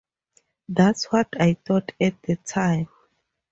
That's what I thought at the time.